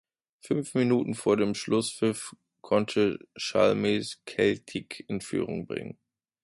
Fünf Minuten vor dem Schlusspfiff konnte Chalmers Celtic in Führung bringen.